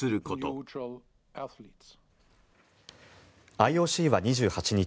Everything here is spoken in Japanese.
ＩＯＣは２８日